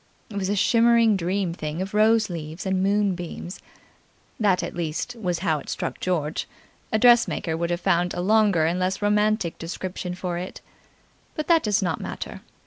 It was a shimmering dream thing of rose leaves and moon beams. That, at least, was how it struck George; a dressmaker would have found a longer and less romantic description for it. But that does not matter.